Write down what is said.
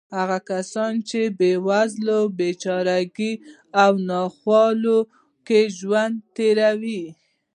هغه کسان چې په بېوزلۍ، بېچارهګۍ او ناخوالو کې ژوند تېروي.